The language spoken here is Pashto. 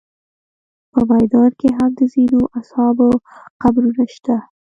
په میدان کې هم د ځینو اصحابو قبرونه شته.